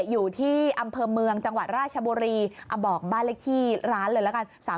อยู่ที่อำเภอเมืองจังหวัดราชบุรีบอกบ้านเลขที่ร้านเลยละกัน